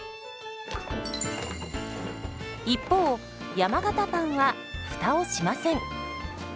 一方山型パンはフタをしません。